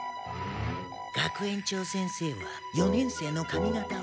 学園長先生は四年生の髪型を。